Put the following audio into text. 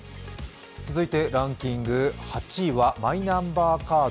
続いてランキング８位はマイナンバーカード。